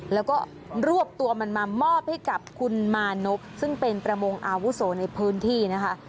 แล้วก็รวบตัวมันมามอบให้กับคุณมานพซึ่งเป็นประมงอาวุโสในพื้นที่นะคะ